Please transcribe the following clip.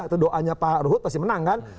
itu doanya pak ruhut pasti menang kan